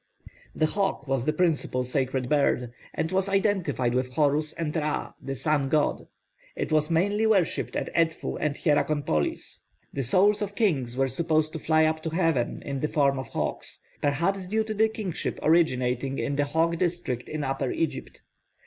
The hawk was the principal sacred bird, and was identified with Horus and Ra, the sun god. It was mainly worshipped at Edfu and Hierakonpolis. The souls of kings were supposed to fly up to heaven in the form of hawks, perhaps due to the kingship originating in the hawk district in Upper Egypt.